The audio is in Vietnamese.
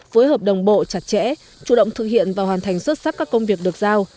phối hợp đồng bộ chặt chẽ chủ động thực hiện và hoàn thành xuất sắc các công việc được giao